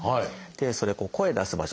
それは声出す場所